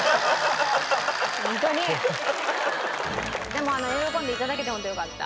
でも喜んで頂けてホントよかった。